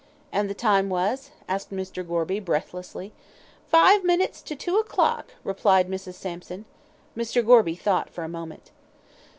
"And the time was?" asked Mr. Gorby, breathlessly. "Five minutes to two o'clock," replied Mrs. Sampson. Mr. Gorby thought for a moment.